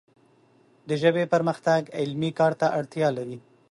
د ژبې پرمختګ علمي کار ته اړتیا لري